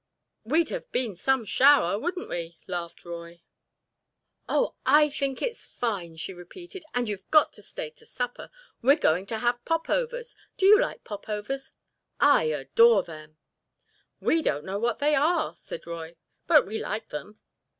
"We'd have been some shower, wouldn't we?" laughed Roy. "Oh, I think it's fine," she repeated; "and you've got to stay to supper. We're going to have popovers—do you like popovers? I adore them!" "We don't know what they are," said Roy, "but we like them."